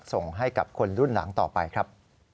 ส่งให้กับคนรุ่นหลังต่อไปครับ